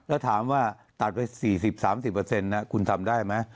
แล้วถามว่าตัดไป๔๐๓๐คุณทำได้ไหม